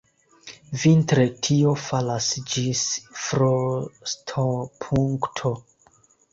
Vintre tio falas ĝis frostopunkto.